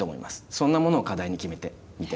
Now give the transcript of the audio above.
そんなものを課題に決めてみて。